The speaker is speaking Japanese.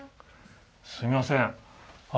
すみません。